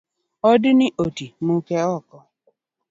Odni oti muke oko.